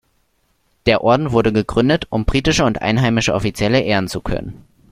Der Orden wurde gegründet, um britische und einheimische Offizielle ehren zu können.